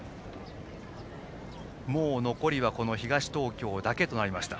残りはこの東東京だけとなりました。